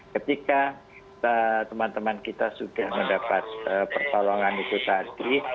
ketika teman teman kita sudah mendapat pertolongan itu tadi